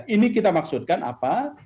ini kita maksudkan apa